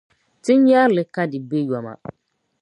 Ti nyari li ka di be yoma.